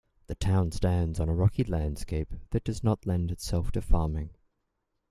The town stands on a rocky landscape that does not lend itself to farming.